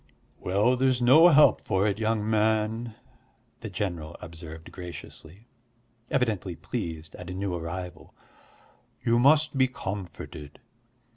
"Well, there's no help for it, young man," the general observed graciously, evidently pleased at a new arrival. "You must be comforted.